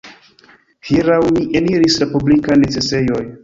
Hieraŭ mi eniris la publikan necesejon.